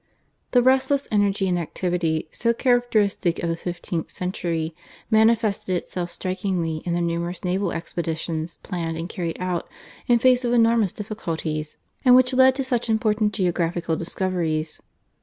The restless energy and activity so characteristic of the fifteenth century manifested itself strikingly in the numerous naval expeditions, planned and carried out in face of enormous difficulties, and which led to such important geographical discoveries.